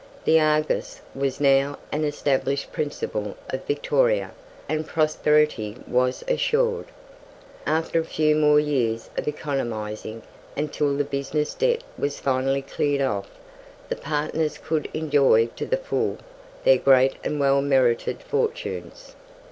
"The Argus" was now an established principle of Victoria, and prosperity was assured. After a few more years of economizing, until the business debt was finally cleared off, the partners could enjoy to the full their great and well merited fortunes.